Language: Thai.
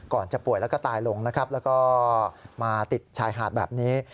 จะป่วยแล้วก็ตายลงนะครับแล้วก็มาติดชายหาดแบบนี้